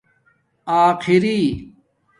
آخری